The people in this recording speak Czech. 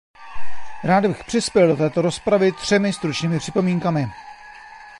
Rád bych přispěl do této rozpravy třemi stručnými připomínkami.